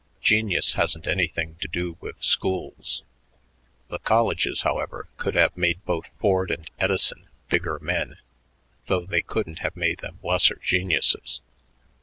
Genius hasn't anything to do with schools. The colleges, however, could have made both Ford and Edison bigger men, though they couldn't have made them lesser geniuses."